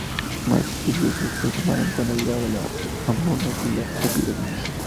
Más sacrificios se sumaron con la llegada de las hambrunas y las epidemias.